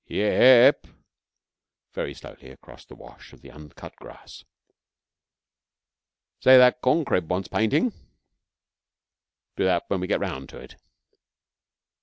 'Ye ep,' very slowly across the wash of the uncut grass. 'Say, that corncrib wants painting.' ''Do that when we get around to it.'